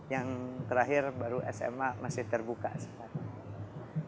yang terakhir baru sma masih terbuka sekarang